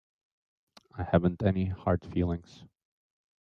I haven't any hard feelings.